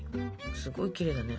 すごいきれいだね。